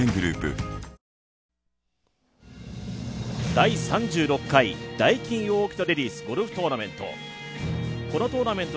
第３６回ダイキンオーキッドレディスゴルフトーナメント。